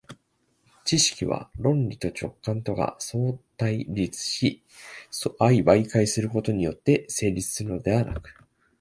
知識は論理と直覚とが相対立し相媒介することによって成立するのではなく、